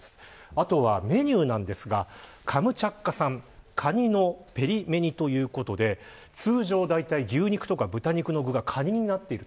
あとはメニューなんですがカムチャツカ産カニのペリメニということで通常は大体牛肉とか豚肉の具がカニになっている。